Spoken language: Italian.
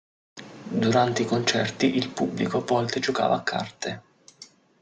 Durante i concerti, il pubblico a volte giocava a carte.